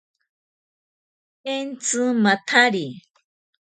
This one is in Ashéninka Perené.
Entsi matsari.